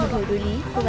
con có nhớ nhà đâu không